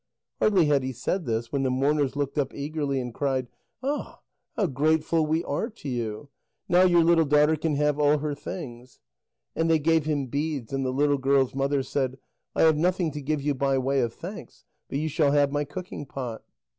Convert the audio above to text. Hardly had he said this when the mourners looked up eagerly, and cried: "Ah, how grateful we are to you! Now your little daughter can have all her things." And they gave him beads, and the little girl's mother said: "I have nothing to give you by way of thanks, but you shall have my cooking pot."